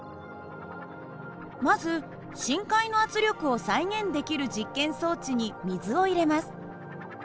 まず深海の圧力を再現できる実験装置に水を入れます。